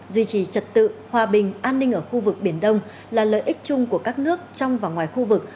duy trì trật tự hòa bình an ninh ở khu vực biển đông là lợi ích chung của các nước trong và ngoài khu vực